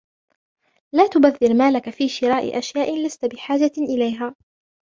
لا تبذر مالك في شراء أشياء لست بحاجة إليها.